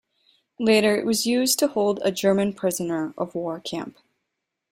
Later it was used to hold a German prisoner-of-war camp.